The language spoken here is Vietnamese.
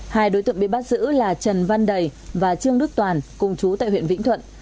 hai đối tượng bị bắt giữ là trần văn đầy và trương đức toàn cùng chú tại huyện vĩnh thuận